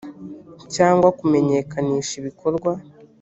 cyangwa kumenyekanisha ibikorwa